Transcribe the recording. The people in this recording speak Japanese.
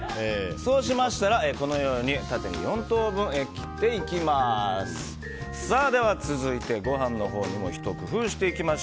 そうしましたらこれを縦に４等分に切っていきます。